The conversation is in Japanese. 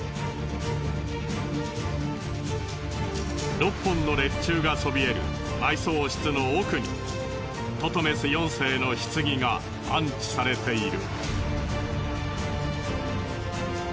６本の列柱がそびえる埋葬室の奥にトトメス４世の棺が安置されている。